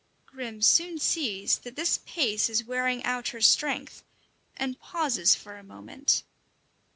Grim soon sees that this pace is wearing out her strength, and pauses for a moment.